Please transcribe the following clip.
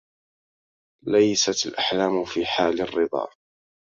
ليست الأحلام في حال الرضا